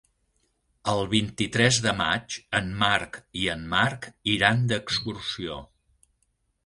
El vint-i-tres de maig en Marc i en Marc iran d'excursió.